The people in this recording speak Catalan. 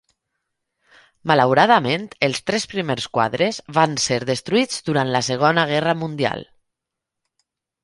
Malauradament, els tres primers quadres van ser destruïts durant la Segona Guerra Mundial.